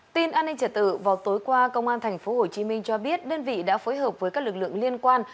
tin an ninh trả tự vào tối qua công an tp hcm cho biết đơn vị đã phối hợp với các lực lượng liên quan